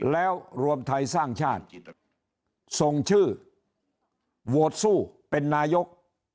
แล้วรวมไทยสร้างชาติส่งชื่อโหวตสู้เป็นนายก